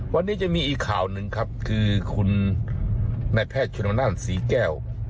วันนี้จะมีอีกข่าวหนึ่งครับคือคุณนายแพทย์ชนนั่นศรีแก้ว